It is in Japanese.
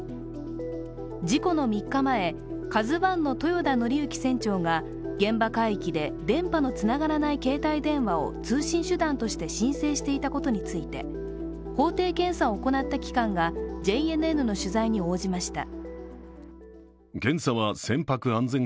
事故の３日前「ＫＡＺＵⅠ」の豊田徳幸船長が現場海域で電波のつながらない携帯電話を通信手段として申請していたことについて、法定検査を行った機関がＪＮＮの取材に応じました。